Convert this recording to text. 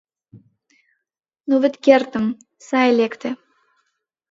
«Ну вет кертым, сай лекте».